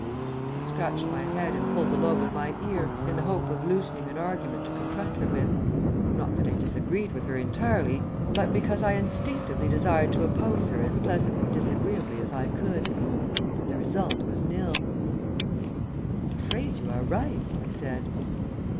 I scratched my head and pulled the lobe of my ear in the hope of loosening an argument to confront her with, not that I disagreed with her entirely, but because I instinctively desired to oppose her as pleasantly disagreeably as I could. But the result was nil. "I'm afraid you are right," I said.